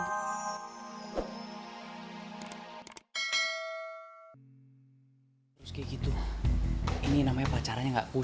terus kayak gitu ini namanya pacarannya gak puas